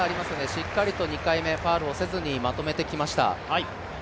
しっかりと２回目ファウルをせずにまとめてきました。